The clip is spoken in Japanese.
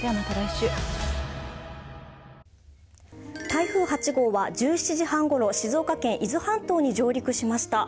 台風８号は１７時半ごろ、静岡県伊豆半島に上陸しました。